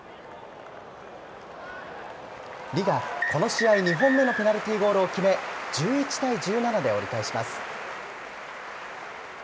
李がこの試合２本目のペナルティゴールを決め、１１対１７で折り返します。